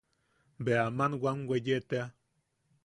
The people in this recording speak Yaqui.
Bea aman wam weye tea.